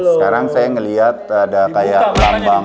sekarang saya melihat ada kayak lambang